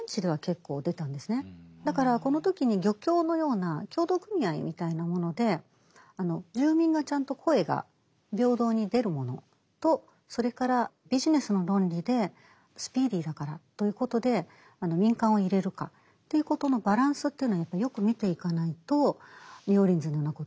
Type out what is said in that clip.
だからこの時に漁協のような協同組合みたいなもので住民がちゃんと声が平等に出るものとそれからビジネスの論理でスピーディーだからということで民間を入れるかということのバランスというのはやっぱりよく見ていかないとニューオーリンズのようなことになってしまう。